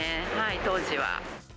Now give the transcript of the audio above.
当時は。